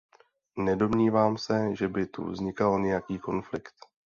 Nedomnívám se, že by tu vznikal nějaký konflikt.